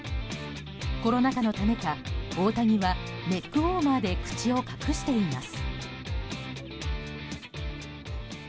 コロナ禍のためか大谷はネックウォーマーで口を隠しています。